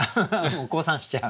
降参しちゃう？